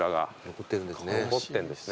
残ってるんですね。